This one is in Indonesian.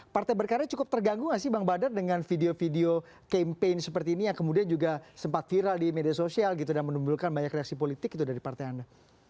partai berkarya cukup terganggu gak sih bang badar dengan video video campaign seperti ini yang kemudian juga sempat viral di media sosial gitu dan menimbulkan banyak reaksi politik gitu dari partai anda